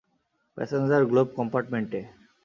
Passenger glove কম্পার্টমেন্টে।